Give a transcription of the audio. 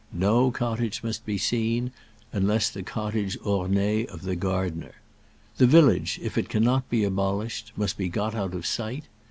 No cottage must be seen, unless the cottage orné of the gardener. The village, if it cannot be abolished, must be got out of sight.